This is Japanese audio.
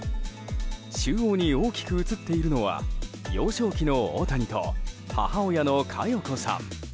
中央に大きく写っているのは幼少期の大谷と母親の加代子さん。